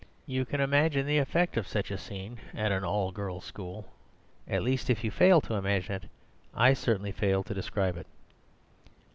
You can imagine the effect of such a scene at a girls' school. At least, if you fail to imagine it, I certainly fail to describe it.